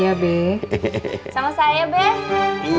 masak dulu titi